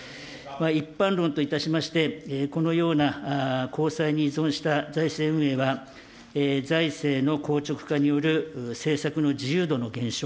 一般論といたしまして、このような公債に依存した財政運営は、財政の硬直化による政策の自由度の減少、